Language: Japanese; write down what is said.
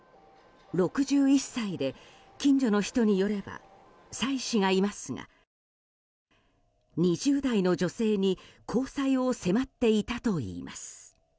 ６１歳で近所の人によれば妻子がいますが２０代の女性に交際を迫っていたといいます。